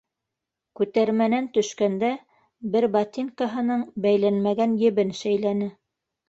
Күтәрмәнән төшкәндә, бер ботинкаһының бәйләнмәгән ебен шәйләне.